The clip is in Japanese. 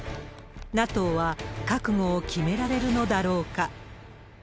ＮＡＴＯは覚悟を決められるのだろうか。